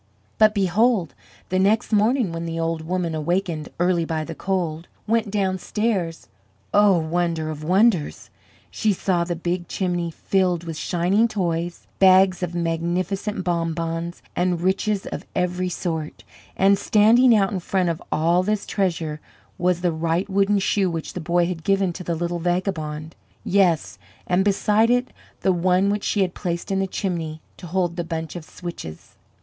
But behold! the next morning when the old woman, awakened early by the cold, went downstairs oh, wonder of wonders she saw the big chimney filled with shining toys, bags of magnificent bonbons, and riches of every sort, and standing out in front of all this treasure, was the right wooden shoe which the boy had given to the little vagabond, yes, and beside it, the one which she had placed in the chimney to hold the bunch of switches.